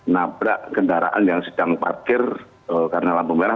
nabrak kendaraan yang sedang parkir karena lampu merah